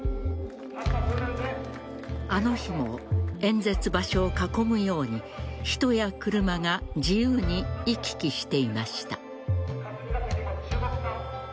あの日も演説場所を囲むように人や車が自由に行き来していました。